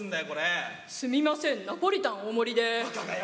すみません、ナポリタン大盛りで。